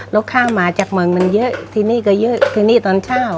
แล้วข้างมาจากเมืองมันเยอะที่นี่ก็เยอะที่นี่ตอนเช้า